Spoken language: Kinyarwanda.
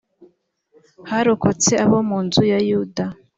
harokotse abo mu nzu ya yuda .